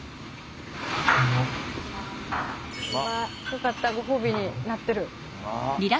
よかったご褒美になってる。